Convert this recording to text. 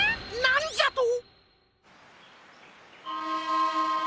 なんじゃと！